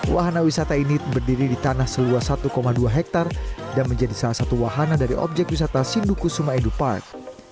wahana wisata ini berdiri di tanah seluas satu dua hektare dan menjadi salah satu wahana dari objek wisata sindukusuma edu park